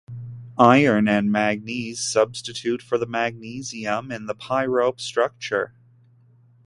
Iron and manganese substitute for the magnesium in the pyrope structure.